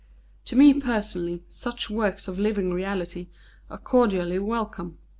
"To me personally such works of living reality are cordially welcome.